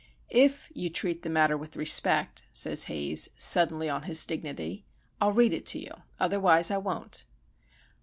"If you treat the matter with respect," says Haze, suddenly on his dignity, "I'll read it to you. Otherwise I won't."